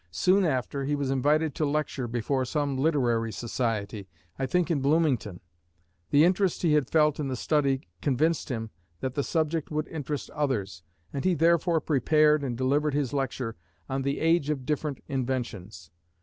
Soon after, he was invited to lecture before some literary society, I think in Bloomington. The interest he had felt in the study convinced him that the subject would interest others, and he therefore prepared and delivered his lecture on The Age of Different Inventions.